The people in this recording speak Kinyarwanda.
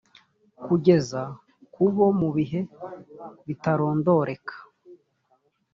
kugeza ku bo mu bihe bitarondoreka